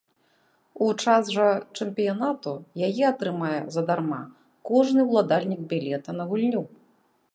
У час жа чэмпіянату яе атрымае задарма кожны ўладальнік білета на гульню.